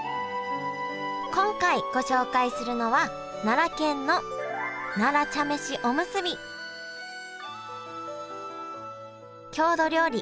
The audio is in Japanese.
今回ご紹介するのは郷土料理